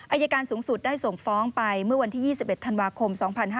อายการสูงสุดได้ส่งฟ้องไปเมื่อวันที่๒๑ธันวาคม๒๕๕๙